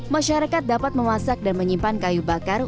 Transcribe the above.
masyarakat dapat memasak dan menyimpan kayu bakar